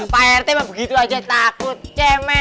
pagar tipe begitu aja takut cemen itu